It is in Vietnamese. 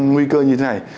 nguy cơ như thế này